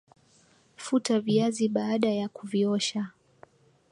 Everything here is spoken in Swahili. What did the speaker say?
Futa viazi baada ya kuviosha